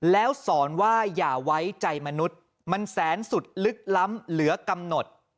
แล้วสอนว่าอย่าไว้ใจมนุษย์มันแสนสุดลึกล้ำเหลือกำหนด